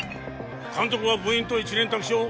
監督は部員と一蓮托生